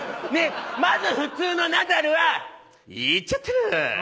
まず普通のナダルは「イっちゃってる！」